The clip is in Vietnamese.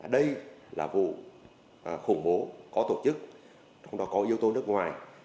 đây là vụ khủng bố có tổ chức trong đó có yếu tố nước ngoài